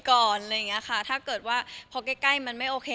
อะไรอย่างเงี้ยค่ะถ้าเกิดว่าพอใกล้ใกล้มันไม่โอเค